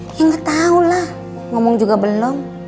ya gak tau lah ngomong juga belum